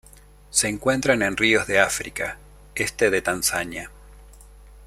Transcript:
Se encuentran en ríos de África: este de Tanzania.